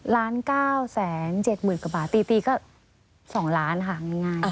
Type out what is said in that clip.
ล้านเก้าแสนเจ็ดหมื่นกว่าบาทตีก็๒ล้านค่ะง่าย